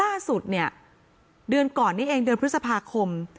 ล่าสุดเนี่ยเดือนก่อนนี้เองเดือนพฤษภาคม